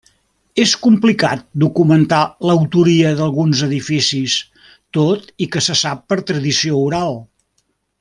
És complicat documentar l'autoria d'alguns edificis, tot i que se sap per tradició oral.